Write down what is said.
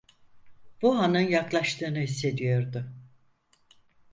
Bu anın yaklaştığını hissediyordu.